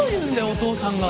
お父さんが。